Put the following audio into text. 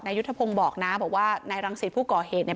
ยุทธพงศ์บอกนะบอกว่านายรังสิตผู้ก่อเหตุเนี่ย